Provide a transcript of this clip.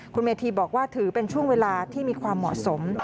คุณเมธีบอกว่าถือเป็นช่วงเวลาที่มีความเหมาะสม